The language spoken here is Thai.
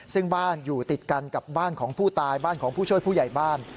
ซึ่งบ้านอยู่ติดกันกับบ้านของผู้ตายบ้านของผู้ช่วยผู้ใหญ่บ้าน